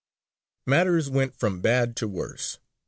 Matters went from bad to worse.